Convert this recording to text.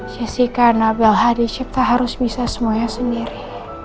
jessica nabel hadi sipta harus bisa semuanya sendiri